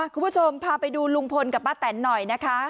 คุณผู้ชมพาไปดูลุงพลกับป้าแตนหน่อยนะคะ